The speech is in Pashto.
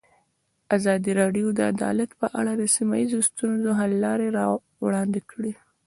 ازادي راډیو د عدالت په اړه د سیمه ییزو ستونزو حل لارې راوړاندې کړې.